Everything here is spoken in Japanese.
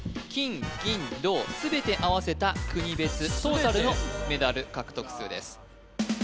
金銀銅全て合わせた国別トータルのメダル獲得数です